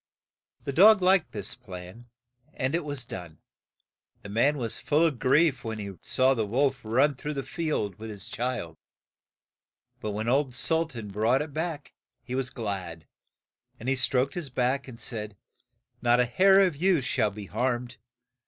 The dog liked this plan, and it was done. The man was full of grief when he saw the wolf run through the field with his child ; but when old Sul tan brought it back, he was glad, and he stroked his back, and said, "Not a hair of you shall be harmed.